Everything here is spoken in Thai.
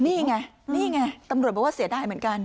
นี่ไงนี่ไงตำรวจบอกว่าเสียดายเหมือนกัน